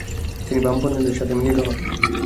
তিনি বামপন্থীদের সাথে মিলিত হন।